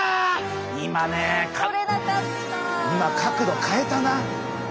今角度変えたな。